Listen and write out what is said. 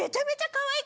・かわいい！